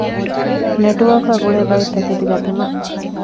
ނެޓްވާރކާގުޅޭ ބައެއްތަކެތި ގަތުމަށް